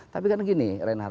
tapi kan gini renhar